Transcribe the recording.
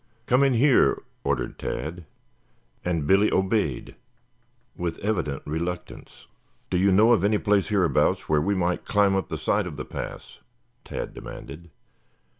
"Come in here," ordered Tad, and Billy obeyed with evident reluctance. "Do you know of any place hereabouts where we might climb up the side of the pass?" Tad demanded.